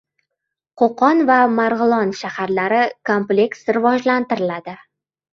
Qo‘qon va Marg‘ilon shaharlari kompleks rivojlantiriladi